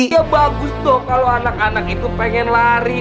ya bagus dong kalau anak anak itu pengen lari